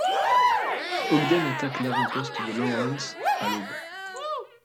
Ogden attaque l'avant-poste de Lawrence à l'aube.